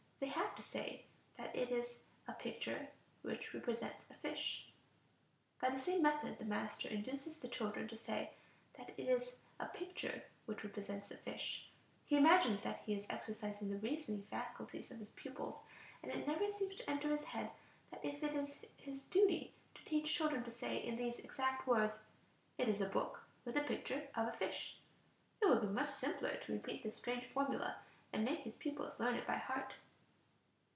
They have to say that it is a picture which represents a fish. By the same method the master induces the children to say that it is a picture which represents a fish. He imagines that he is exercising the reasoning faculties of his pupils, and it never seems to enter his head that if it is his duty to teach children to say in these exact words, "it is a book with a picture of a fish," it would be much simpler to repeat this strange formula and make his pupils learn it by heart.